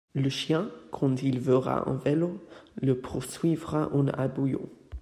le chien, quand il verra un vélo, le poursuivra en aboyant.